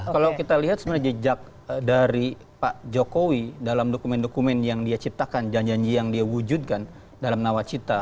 kalau kita lihat sebenarnya jejak dari pak jokowi dalam dokumen dokumen yang dia ciptakan janji janji yang dia wujudkan dalam nawacita